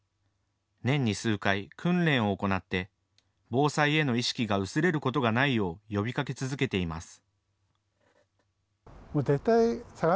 年に数回、訓練を行って防災への意識が薄れることがないよう呼びかけ続けています。